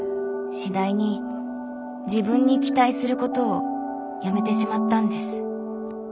次第に自分に期待することをやめてしまったんです。